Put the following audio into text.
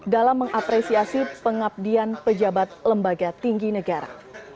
dalam mengapresiasi pengabdian pejabat lembaga tinggi negara